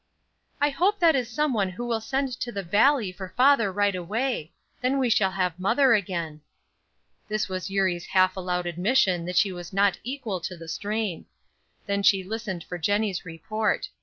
"I hope that is some one who will send to the Valley for father right away; then we shall have mother again." This was Eurie's half aloud admission that she was not equal to the strain. Then she listened for Jennie's report.